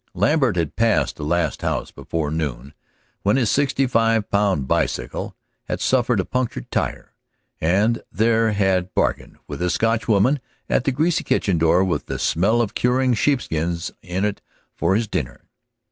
Lambert had passed the last house before noon, when his sixty five pound bicycle had suffered a punctured tire, and there had bargained with a Scotch woman at the greasy kitchen door with the smell of curing sheepskins in it for his dinner.